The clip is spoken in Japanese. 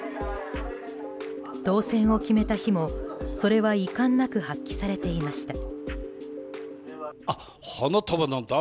当選を決めた日も、それは遺憾なく発揮されていました。